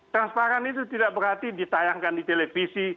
transparan itu tidak berarti ditayangkan di televisi